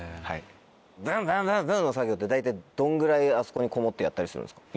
ブンブンブンの作業って大体どんぐらいあそこにこもってやったりするんですか？